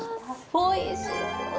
おいしそう。